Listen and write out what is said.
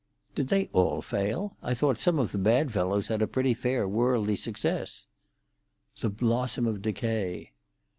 "Did they all fail? I thought some of the bad fellows had a pretty fair worldly success?" "The blossom of decay."